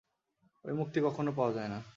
ঐ মুক্তি কখনও পাওয়া যায় না।